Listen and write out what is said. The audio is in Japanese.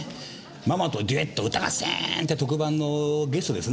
『ママとデュエット歌合戦！』って特番のゲストですね。